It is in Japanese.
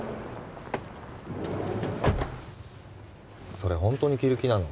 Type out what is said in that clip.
それホントに着る気なの？